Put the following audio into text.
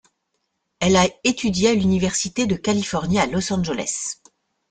Elle a étudié à l'université de Californie à Los Angeles.